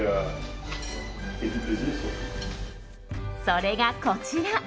それがこちら。